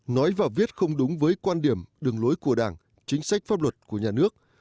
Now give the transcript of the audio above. nói và viết không đúng với quan điểm đường lối của đảng chính sách pháp luật của nhà nước